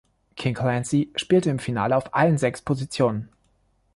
King Clancy spielte im Finale auf allen sechs Positionen.